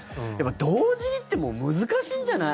同時にって難しいんじゃない。